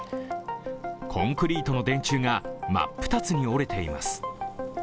コンクリートの電柱が真っ二つに折れています。